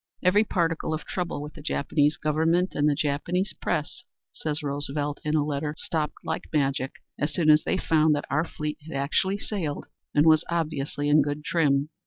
"Every particle of trouble with the Japanese Government and the Japanese press," says Roosevelt in a letter, "stopped like magic as soon as they found that our fleet had actually sailed and was obviously in good trim.